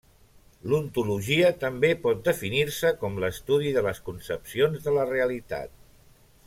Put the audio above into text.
L'ontologia també pot definir-se com l'estudi de les concepcions de la realitat.